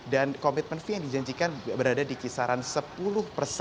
dan komitmen v yang dijanjikan berada di kisaran rp sepuluh